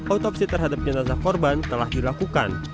otopsi terhadap jenazah korban telah dilakukan